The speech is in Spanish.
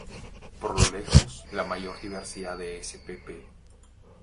Por lejos la mayor diversidad de spp.